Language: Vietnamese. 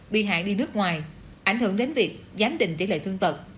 bị hại đi nước ngoài ảnh hưởng đến việc giám định tỷ lệ thương tật